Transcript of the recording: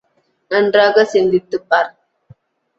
நன்றாகச் சிந்தித்துப் பார்.